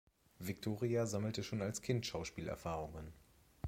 Viktoria sammelte schon als Kind Schauspielerfahrungen.